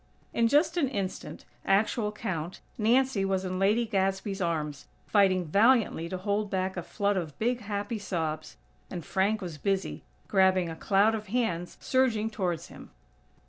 In just an instant, actual count, Nancy was in Lady Gadsby's arms, fighting valiantly to hold back a flood of big, happy sobs; and Frank was busy, grabbing a cloud of hands surging towards him.